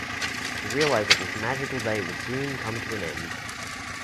She realized that this magical day would soon come to an end.